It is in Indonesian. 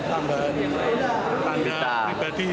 tambahan tangga pribadi